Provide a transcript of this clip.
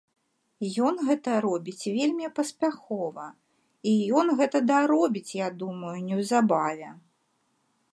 Ён гэта робіць вельмі паспяхова, і ён гэта даробіць, я думаю, неўзабаве.